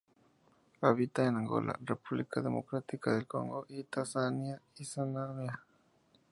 Habita en Angola, República Democrática del Congo, Tanzania y Zambia.